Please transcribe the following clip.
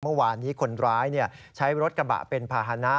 เมื่อวานนี้คนร้ายใช้รถกระบะเป็นภาษณะ